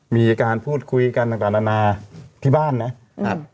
มีการพูดคุยกันต่างนานาที่บ้านนะครับ